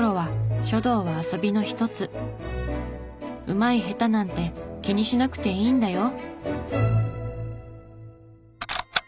うまい下手なんて気にしなくていいんだよ。